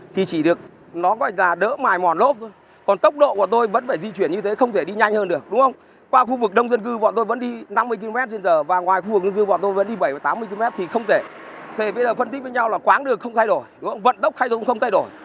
thế bây giờ phân tích với nhau là quán đường không thay đổi vận tốc hay không không thay đổi